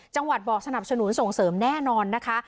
บอกสนับสนุนส่งเสริมแน่นอนนะคะ